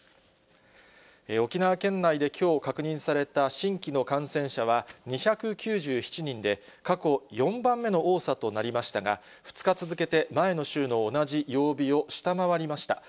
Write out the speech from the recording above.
沖縄県内できょう、確認された新規の感染者は２９７人で、過去４番目の多さとなりましたが、２日続けて前の週の同じ曜日を下回りました。